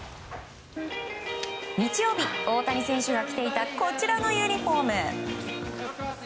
日曜日、大谷選手が着ていたこちらのユニホーム。